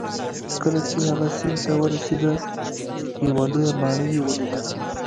کله چې هغه سیند ته ورسید یوه لویه ماڼۍ یې ولیده.